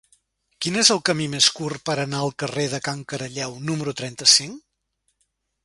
Quin és el camí més curt per anar al carrer de Can Caralleu número trenta-cinc?